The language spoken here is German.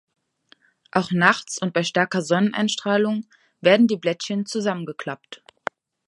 Auch nachts und bei starker Sonneneinstrahlung werden die Blättchen zusammengeklappt.